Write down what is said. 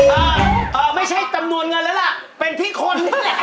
อ่าไม่ใช่ตำนวนเงินแล้วล่ะเป็นพี่คน